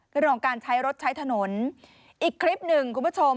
เรื่องของการใช้รถใช้ถนนอีกคลิปหนึ่งคุณผู้ชม